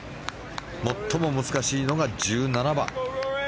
最も難しいのが１７番。